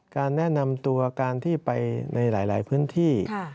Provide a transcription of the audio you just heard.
การแนะนำตัวการที่ไปในหลายพื้นที่